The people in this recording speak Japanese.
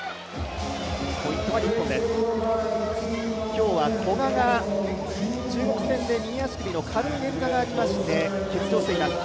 今日は古賀が中国戦で右足首の軽いねんざがありまして欠場しています。